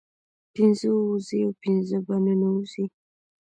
پنځه ووزي او پنځه په ننوزي